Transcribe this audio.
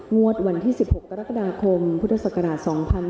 งวดวันที่๑๖กรกฎาคมพุทธศักราช๒๕๖๒